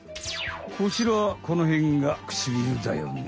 こちらこのへんがくちびるだよね。